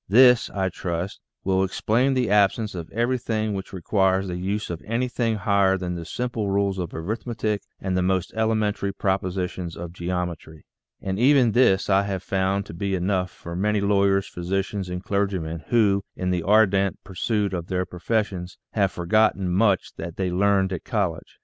This, I trust, will ex plain the absence of everything which requires the use of anything higher than the simple rules of arithmetic and the most elementary propositions of geometry. And even this I have found to be enough for many lawyers, physicians, and clergymen who, in the ardent pursuit of their profes sions, have forgotten much that they learned at college.